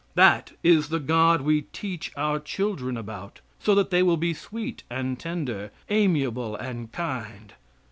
That is the God we teach our children about so that they will be sweet and tender, amiable and kind!